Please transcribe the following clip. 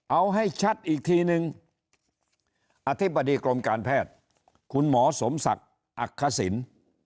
เอาให้ชัดอีกทีนึงอธิบดีกรมการแพทย์คุณหมอสมศักดิ์อักษิณ